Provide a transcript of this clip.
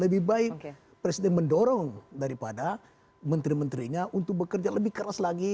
lebih baik presiden mendorong daripada menteri menterinya untuk bekerja lebih keras lagi